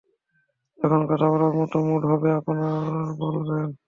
যখন কথা বলার মতো মুড হবে আপনার বলবেন।